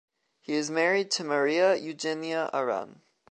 He is married to Maria Eugènia Aran.